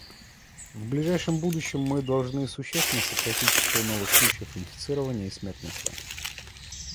В ближайшем будущем мы должны существенно сократить число новых случаев инфицирования и смертности.